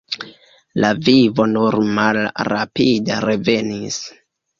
La vivo nur malrapide revenis.